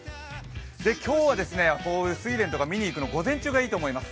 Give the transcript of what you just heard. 今日はスイレンとか見にいくの、午前中がいいと思います。